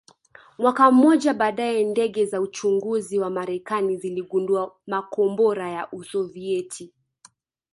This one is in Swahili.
Mwaka mmoja baadae ndege za uchunguzi za Marekani ziligundua makombora ya Usovieti